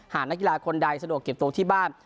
นักกีฬาคนใดสะดวกเก็บตัวที่บ้าน